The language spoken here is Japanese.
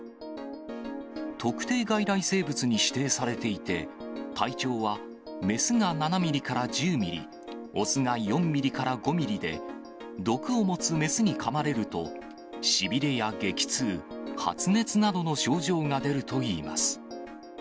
特定外来生物に指定されていて、体長は雌が７ミリから１０ミリ、雄が４ミリから５ミリで、毒を持つ雌にかまれると、しびれや激痛、発熱などの症状が出るといいます。